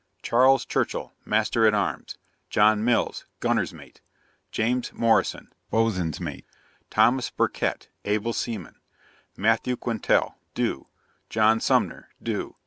CHARLES CHURCHILL Master at Arms. JOHN MILLS Gunner's Mate. JAMES MORRISON Boatswain's Mate. THOMAS BURKITT } Able Seaman. MATTHEW QUINTAL } do. JOHN SUMNER } do.